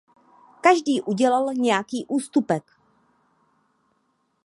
Každý udělal nějaký ústupek.